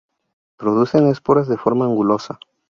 Producen esporas de forma angulosa.